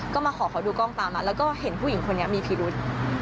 ก็มาขอเขาดูกล้องตามนัดแล้วก็เห็นผู้หญิงคนนี้มีพิรุษ